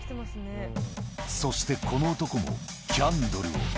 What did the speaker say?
そしてこの男もキャンドルを。